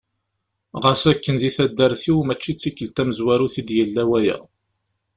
Ɣas akken di taddart-iw mačči d tikkelt tamezwarut i d-yella waya.